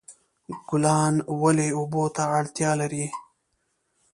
ګلان ولې اوبو ته اړتیا لري؟